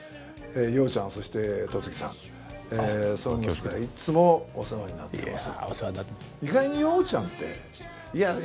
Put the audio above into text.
洋ちゃんそして戸次さん「ＳＯＮＧＳ」ではいつもお世話になっています。